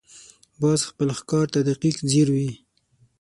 باز خپل ښکار ته دقیق ځیر وي